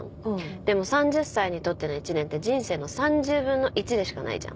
でも３０歳にとっての１年って人生の３０分の１でしかないじゃん。